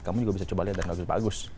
kamu juga bisa coba lihat dan gak bisa bagus